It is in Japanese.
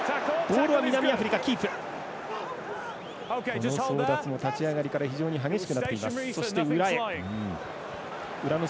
この争奪も立ち上がりから非常に激しくなっています。